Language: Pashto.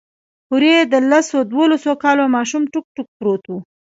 هورې د لس دولسو کالو ماشوم ټوک ټوک پروت و.